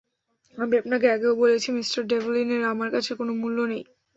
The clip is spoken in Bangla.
আমি আপনাকে আগেও বলেছি, মিঃ ডেভলিনের আমার কাছে কোন মূল্য নেই।